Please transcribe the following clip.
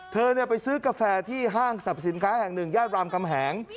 เธอไปซื้อกาแฟที่ห้างสรรพสินค้าแห่งหนึ่งย่านรามคำแหง